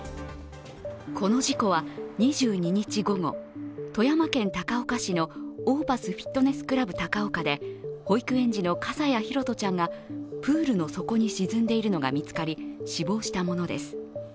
この事故は２２日午後、富山県高岡市のオーパスフィットネスクラブ高岡で保育園児の笠谷拓杜ちゃんがプールの底に沈んでいるのが見つかり死亡したものです。